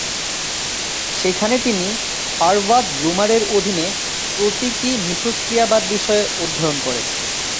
সেখানে তিনি হার্বার্ট ব্লুমারের অধীনে প্রতীকী মিথস্ক্রিয়াবাদ বিষয়ে অধ্যয়ন করেন।